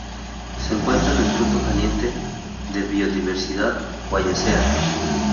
Se encuentra en el punto caliente de biodiversidad Wallacea.